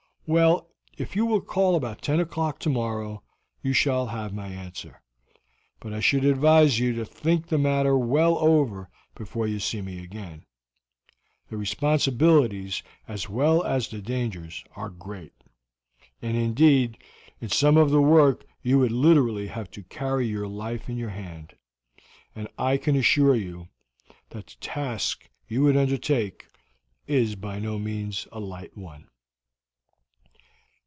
Well, if you will call about ten o'clock tomorrow you shall have my answer; but I should advise you to think the matter well over before you see me again. The responsibilities as well as the dangers are great, and indeed in some of the work you would literally have to carry your life in your hand; and I can assure you that the task you would undertake is by no means a light one."